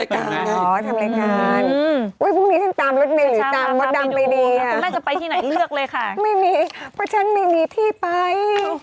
ก็ฉันไม่มีที่ไป